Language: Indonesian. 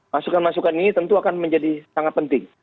masukan masukan ini tentu akan menjadi sangat penting